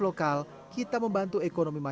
saya mencoba dengan kekuatan